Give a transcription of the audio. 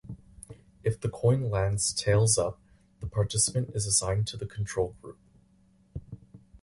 If the coin lands tails-up, the participant is assigned to the Control Group.